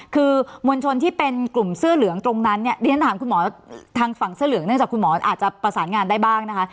คือมวลชนที่เป็นกลุ่มเสื้อเหลืองตรงนั้นเนี่ยเรียนถามคุณหมอทางฝั่งเสื้อเหลืองเนื่องจากคุณหมออาจจะประสานงานได้บ้างนะคะ